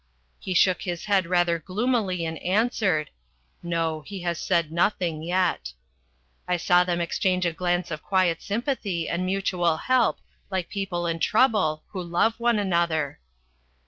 He shook his head rather gloomily and answered, "No, he has said nothing yet." I saw them exchange a glance of quiet sympathy and mutual help, like people in trouble, who love one another.